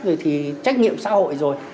vì thì trách nhiệm xã hội rồi